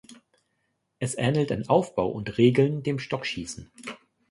Es ähnelt in Aufbau und Regeln dem Stockschießen.